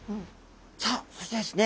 さあそしてですね